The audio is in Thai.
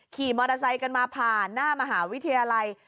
ขี่มอเตอร์ไซค์กันมาผ่านหน้ามหาวิทยาลัย